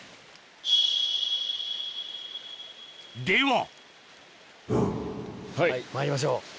でははいまいりましょう。